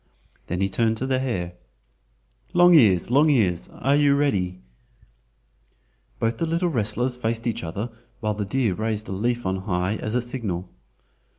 Then he turned to the hare: "Long ears! Long ears! are you ready?" Both the little wrestlers faced each other while the deer raised a leaf on high as signal.